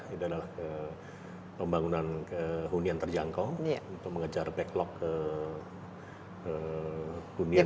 yaitu adalah pembangunan kehunian terjangkau untuk mengejar backlog kehunian di jakarta